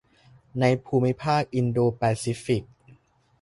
ในภูมิภาคอินโดแปซิฟิก